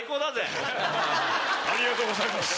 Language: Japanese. ありがとうございます。